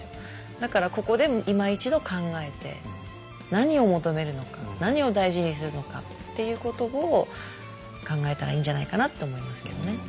だからここでいま一度考えて何を求めるのか何を大事にするのかっていうことを考えたらいいんじゃないかなって思いますけどね。